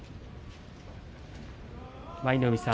舞の海さん